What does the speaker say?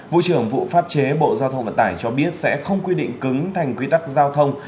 vụ trưởng vụ pháp chế bộ giao thông vận tải cho biết sẽ không quy định cứng thành quy tắc giao thông